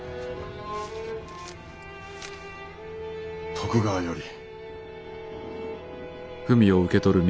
徳川より。